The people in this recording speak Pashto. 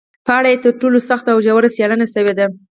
په اړه یې تر ټولو سخته او ژوره څېړنه شوې ده